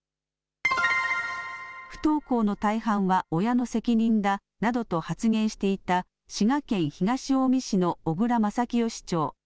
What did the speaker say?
不登校の大半は親の責任だなどと発言していた滋賀県東近江市の小椋正清市長。